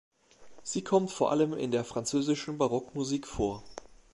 Sie kommt vor allem in der französischen Barockmusik vor.